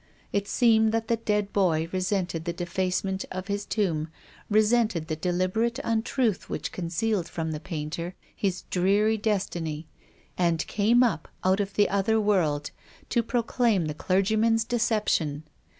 It seemed that the dead boy resented the defacement of his tomb, resented the deliberate untruth which concealed from the painter his dreary destiny, and came up out of the other world to proclaim the clergyman's deception.